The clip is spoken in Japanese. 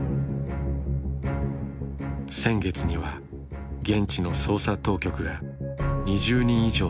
先月には現地の捜査当局が２０人以上の身柄を拘束。